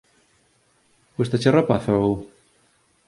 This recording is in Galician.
Gústache a rapaza, ou?